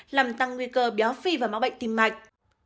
làm tăng nguy cơ béo phi và máu bệnh tim mạch